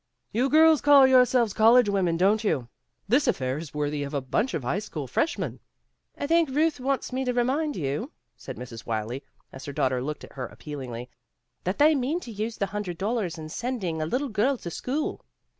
"You girls call yourselves college women, don't you? This affair is worthy of a bunch of high school Freshmen. '' "I think Ruth wants me to remind you," said Mrs. Wylie, as her daughter looked at her appealingly, "that they mean to use the hun dred dollars in sending a little girl to school."